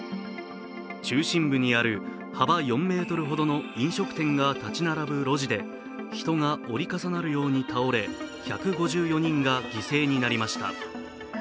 中心部にある幅４ｍほどの飲食店が立ち並ぶ路地で人が折り重なるように倒れ１５４人が犠牲になりました。